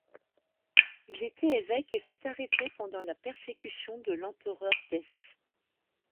Il était évêque et fut arrêté pendant la persécution de l'empereur Dèce.